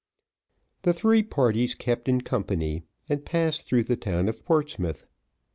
The three parties kept in company, and passed through the town of Portsmouth.